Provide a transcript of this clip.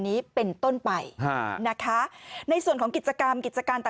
นี้เป็นต้นไปนะคะในส่วนของกิจกรรมกิจการต่าง